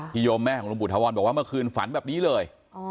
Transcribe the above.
โยมแม่ของลุงปุธวรบอกว่าเมื่อคืนฝันแบบนี้เลย